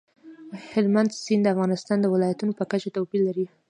هلمند سیند د افغانستان د ولایاتو په کچه توپیر لري.